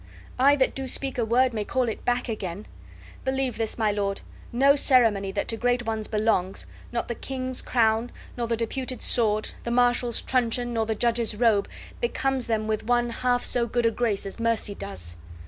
I that do speak a word may call it back again. Believe this, my lord, no ceremony that to great ones belongs, not the king's crown, nor the deputed sword, the marshal's truncheon, nor the judge's robe, becomes them with one half so good a grace as mercy does."